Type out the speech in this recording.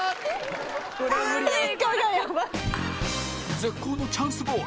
絶好のチャンスボール